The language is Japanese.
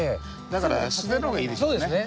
だから素手の方がいいですね。